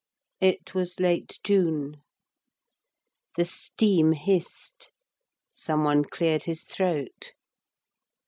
It was late June. The steam hissed. Someone cleared his throat.